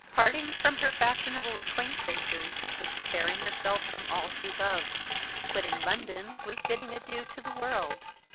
Parting from her fashionable acquaintances was tearing herself from all she loved; quitting London was bidding adieu to the world.